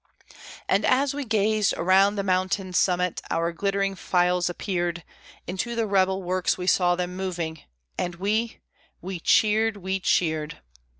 And as we gazed, around the mountain's summit our glittering files appeared, Into the rebel works we saw them moving; and we we cheered, we cheered!